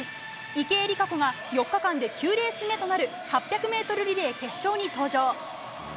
池江璃花子が４日間で９レース目となる８００ｍリレー決勝に登場。